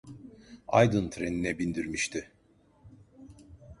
Aydın trenine bindirmişti.